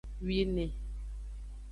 Wine.